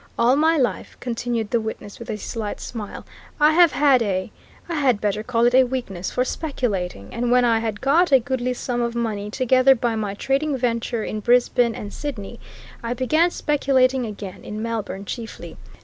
All my life," continued the witness, with a slight smile, "I have had a I had better call it a weakness for speculating; and when I had got a goodly sum of money together by my trading venture in Brisbane and Sydney, I began speculating again, in Melbourne chiefly.